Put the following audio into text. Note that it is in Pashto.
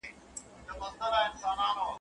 هره ورځ اختر نه دئ، چي وريجي غوښي وخورې.